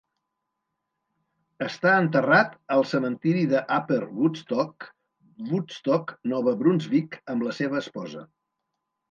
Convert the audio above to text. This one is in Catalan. Està enterrat al cementiri d'Upper Woodstock, Woodstock, Nova Brunsvic, amb la seva esposa.